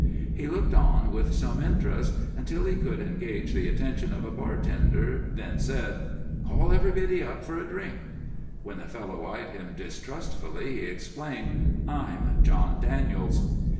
He looked on with some interest until he could engage the attention of a bartender, then said: "Call everybody up for a drink." When the fellow eyed him distrustfully he explained: "I'm John Daniels."